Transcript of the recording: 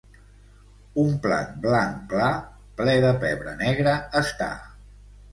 un plat blanc pla, ple de pebre negre està